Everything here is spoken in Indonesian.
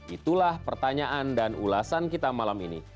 itulah pertanyaan dan ulasan kita malam ini